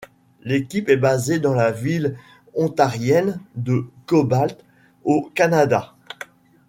L'équipe est basée dans la ville ontarienne de Cobalt au Canada.